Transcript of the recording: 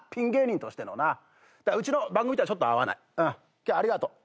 今日ありがと。